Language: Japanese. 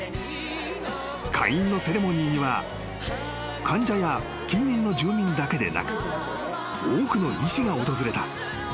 ［開院のセレモニーには患者や近隣の住民だけでなく多くの医師が訪れた］